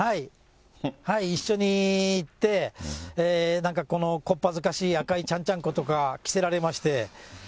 一緒に行って、なんかこのこっぱずかしい、赤いちゃんちゃんことか着せられまして。